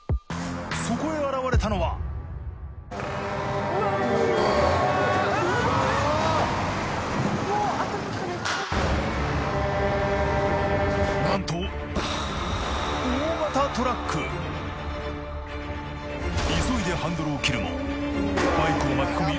そこへ現れたのは何と急いでハンドルを切るもバイクを巻き込み